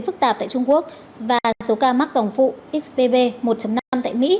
phức tạp tại trung quốc và số ca mắc dòng phụ hpv một năm tại mỹ